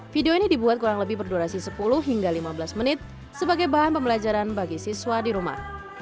video ini dibuat kurang lebih berdurasi sepuluh hingga lima belas menit sebagai bahan pembelajaran bagi siswa di rumah